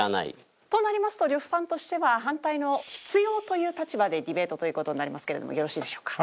となりますと呂布さんとしては反対の必要という立場でディベートという事になりますけれどもよろしいでしょうか？